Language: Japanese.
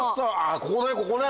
ここねここね！